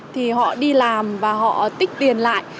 thì họ đi làm và họ tích tiền lại